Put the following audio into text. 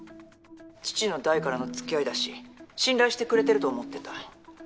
父の代からのつきあいだし信頼してくれてると思ってた。